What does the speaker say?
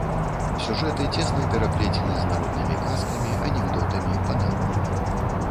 Сюжэты цесна пераплецены з народнымі казкамі, анекдотамі, паданнямі.